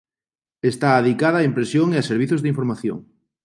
Está adicada á impresión e a servizos da información.